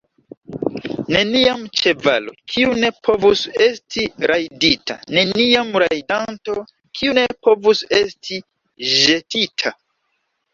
Neniam ĉevalo, kiu ne povus esti rajdita; neniam rajdanto, kiu ne povus esti ĵetita.